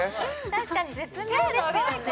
確かに絶妙ですよね。